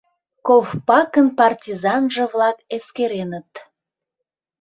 Ков-па-кын партизанже-влак эскереныт.